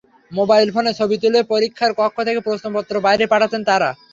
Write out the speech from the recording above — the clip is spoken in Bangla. মোবাইল ফোনে ছবি তুলে পরীক্ষার কক্ষ থেকে প্রশ্নপত্র বাইরে পাঠাচ্ছেন তাঁরা।